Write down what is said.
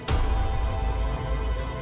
terima kasih ya cuk